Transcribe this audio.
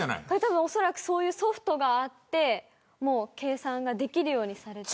おそらくそういうソフトがあって計算ができるようにされている。